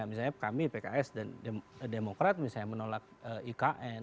misalnya kami pks dan demokrat misalnya menolak ikn